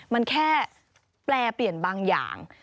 มันแค่แปลเปลี่ยนบางอย่าง